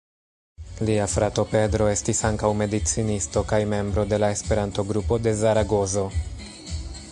Lia frato Pedro estis ankaŭ medicinisto, kaj membro de la Esperanto-grupo de Zaragozo.